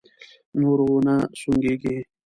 نور و نه سونګېږې!